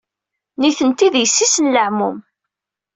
Nitenti d yessi-s n leɛmum.